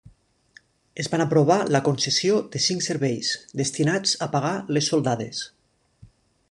Es van aprovar la concessió de cinc serveis, destinats a pagar les soldades.